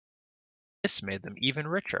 This made them even richer.